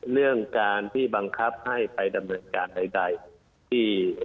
เรื่องการที่บังคับให้ไปดำเนินการใดที่